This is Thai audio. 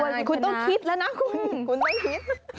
รายการกำลังสนุกเลยอะ